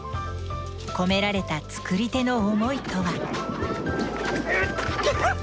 込められた作り手の思いとは？